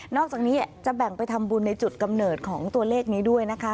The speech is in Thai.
อกจากนี้จะแบ่งไปทำบุญในจุดกำเนิดของตัวเลขนี้ด้วยนะคะ